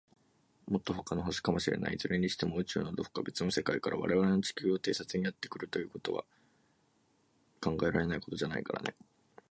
もっと、ほかの星かもしれない。いずれにしても、宇宙の、どこか、べつの世界から、われわれの地球を偵察にやってくるということは、考えられないことじゃないからね。